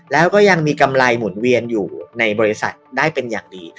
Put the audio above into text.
แล้วก็ยังมีกำไรหมุนเวียนอยู่ในบริษัทได้เป็นอย่างดี